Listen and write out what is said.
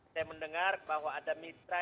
saya mendengar bahwa ada mitra